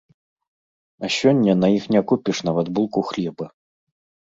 А сёння на іх не купіш нават булку хлеба.